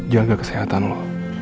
jaga kesehatan lo